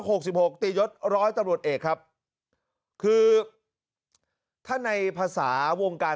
หกสิบหกตียศร้อยตำรวจเอกครับคือถ้าในภาษาวงการ